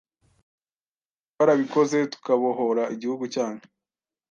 twarabikoze tukabohora igihugu cyanyu